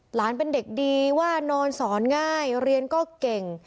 หลานเป็นเด็กดีว่านอนสอนง่ายเรียนก็เก่ง